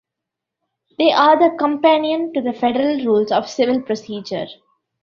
They are the companion to the Federal Rules of Civil Procedure.